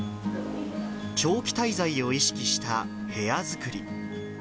長期滞在を意識した部屋作り。